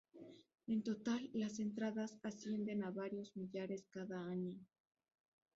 En total las entradas ascienden a varios millares cada año.